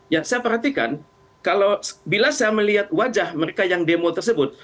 ya saya perhatikan kalau bila saya melihat wajah mereka yang demo tersebut